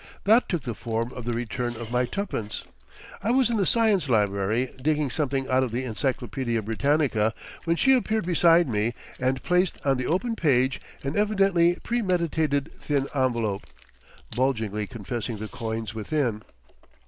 That took the form of the return of my twopence. I was in the Science Library, digging something out of the Encyclopædia Britannica, when she appeared beside me and placed on the open page an evidently premeditated thin envelope, bulgingly confessing the coins within.